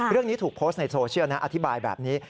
เรื่องนี้ถูกโพสต์ในโซเชียลนะอธิบายแบบนี้